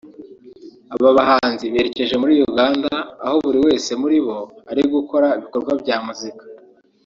Aba bahanzi berekeje muri Uganda aho buri wese muri bo ari gukora ibikorwa bya muzika